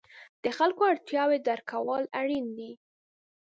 د خلکو اړتیاوې درک کول اړین دي.